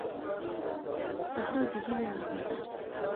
سهار د هیلو نغمه ده.